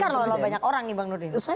banyak orang nih bang nurdin